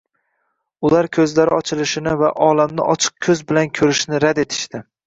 Ular ko‘zlari ochilishini va olamni ochiq ko‘z bilan ko‘rishni rad etishdi.